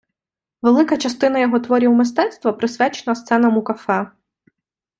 Велика частина його творів мистецтва присвячена сценам у кафе.